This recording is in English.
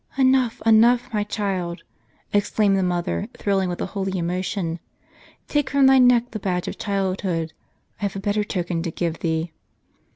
" Enough, enough, my child !" exclaimed the mother, thrilling with a holy emotion; "take from thy neck the badge of childhood, I have a better token to give thee."